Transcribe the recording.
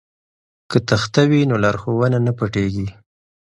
که تخته وي نو لارښوونه نه پټیږي.